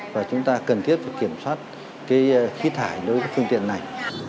và chúng ta cần thiết kiểm soát khí thải đối với các phương tiện này